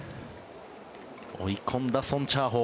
追い込んだソン・チャーホウ。